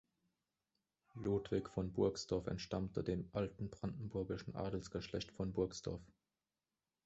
Ludwig von Burgsdorff entstammte dem alten brandenburgischen Adelsgeschlecht von Burgsdorff.